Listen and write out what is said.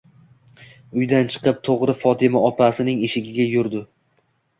Uydan chiqib to'g'ri Fotima opasining eshigiga yurdi.